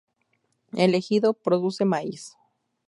El ejido produce maíz.